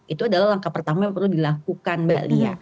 itu adalah langkah pertama yang perlu dilakukan mbak lia